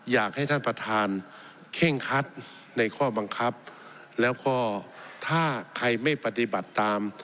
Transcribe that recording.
อยากให้ท่านประธานเคร่งคัดในข้อบังคับแล้วก็ถ้าใครไม่ปฏิบัติตาม